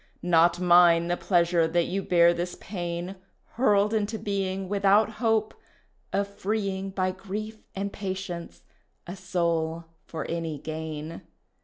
Not mine the pleasure that you bear this pain, Hurled into being Without hope of freeing By grief and patience a soul for any gain.